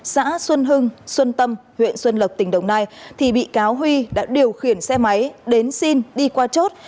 xã xuân hưng xuân tâm huyện xuân lộc tỉnh đồng nai thì bị cáo huy đã điều khiển xe máy đến xin đi qua chốt